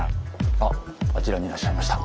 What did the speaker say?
あっあちらにいらっしゃいました。